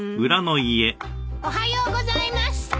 おはようございます！